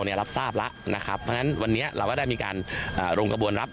เพราะฉะนั้นวันนี้เราได้มีการรวมกระบวนรับ